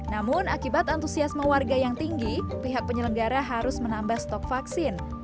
namun akibat antusiasme warga yang tinggi pihak penyelenggara harus menambah stok vaksin